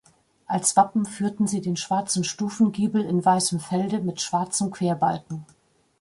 Als Wappen führten sie den schwarzen Stufengiebel in weißem Felde mit schwarzem Querbalken.